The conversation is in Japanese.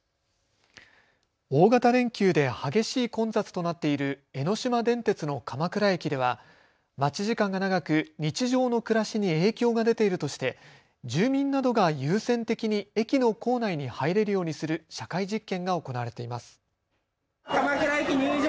大型連休で激しい混雑となっている江ノ島電鉄の鎌倉駅では待ち時間が長く日常の暮らしに影響が出ているとして住民などが優先的に駅の構内に入れるようにする社会実験が行われています。